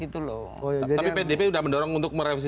tapi pdp sudah mendorong untuk merevisi